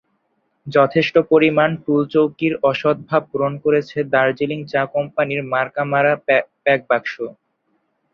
যথেষ্ট পরিমাণ টুলচৌকির অসদ্ভাব পূরণ করেছে দার্জিলিং চা কোম্পানির মার্কা-মারা প্যাকবাক্স।